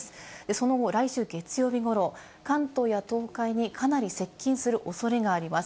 その後、来週月曜日頃関東や東海にかなり接近する恐れがあります。